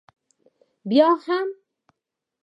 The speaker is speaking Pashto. بیا هم؟